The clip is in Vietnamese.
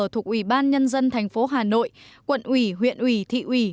thuộc ubnd tp hà nội quận ủy huyện ủy thị ủy